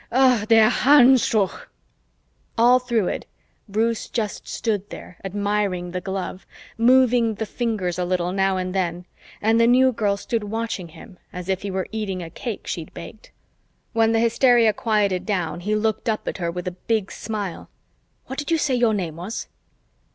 "Ach, der Handschuh!" All through it, Bruce just stood there admiring the glove, moving the fingers a little now and then, and the New Girl stood watching him as if he were eating a cake she'd baked. When the hysteria quieted down, he looked up at her with a big smile. "What did you say your name was?"